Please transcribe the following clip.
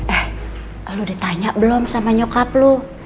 eh lu udah tanya belum sama nyokap lu